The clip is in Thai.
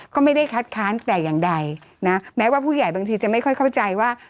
ก็ไม่ได้คัดค้านแต่อย่างใดนะแม้ว่าผู้ใหญ่บางทีจะไม่ค่อยเข้าใจว่า